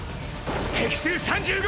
敵数３５！！